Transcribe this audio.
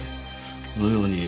このように。